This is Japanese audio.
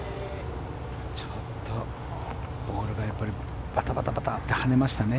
ちょっとボールがやっぱりバタバタと跳ねましたね